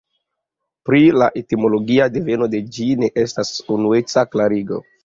Pri la etimologia deveno de ĝi ne estas unueca klarigo.